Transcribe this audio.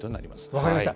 分かりました。